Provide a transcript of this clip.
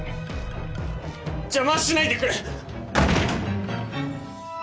邪魔しないでくれ！